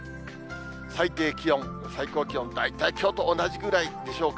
最低気温、最高気温、大体きょうと同じぐらいでしょうか。